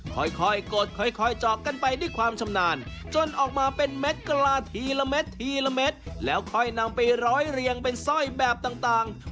ค่อยกดค่อยเจาะกันไปด้วยความชำนาญจนออกมาเป็นเม็ดกลาทีละเม็ดทีละเม็ดแล้วค่อยนำไปร้อยเรียงเป็นสร้อยแบบต่าง